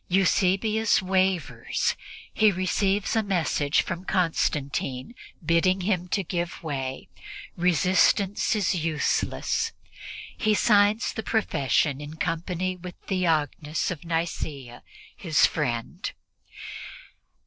Eusebius wavers. He receives a message from Constantia bidding him give way; resistance is useless. He signs the profession in company with Theognis of Nicea, his friend.